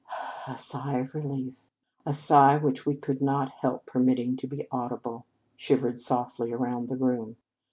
A sigh of relief, a sigh which we could not help permitting to be audi ble, shivered softly around the room.